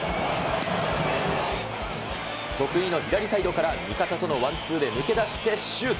得意の左サイドから味方とのワンツーで抜け出してシュート。